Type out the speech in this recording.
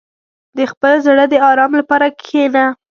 • د خپل زړه د آرام لپاره کښېنه.